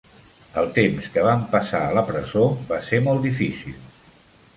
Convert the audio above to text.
El temps que van passar a la presó va ser molt difícil.